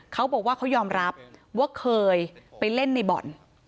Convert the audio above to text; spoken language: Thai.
เขาบอกว่าเขายอมรับว่าเคยไปเล่นในบ่อน